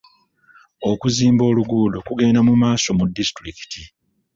Okuzimba oluguudo kugenda mu maaso mu disitulikiti.